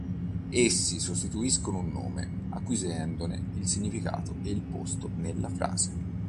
Essi sostituiscono un nome, acquisendone il significato e il posto nella frase.